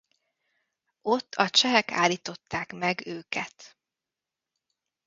Ott a csehek állították meg őket.